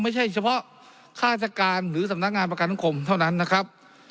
ไม่ใช่เฉพาะข้าราชการหรือสำนักงานประกันเท่านั้นนะครับ